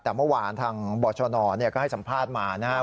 แต่เมื่อวานทางบชนก็ให้สัมภาษณ์มานะครับ